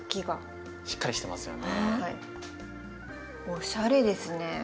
おしゃれですね。